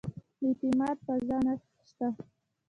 د اعتماد فضا نه شته.